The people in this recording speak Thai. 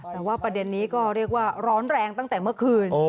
แต่ว่าประเด็นนี้ก็เรียกว่าร้อนแรงตั้งแต่เมื่อคืน